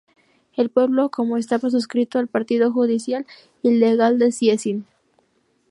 El pueblo como estaba suscrito al partido judicial y legal de Cieszyn.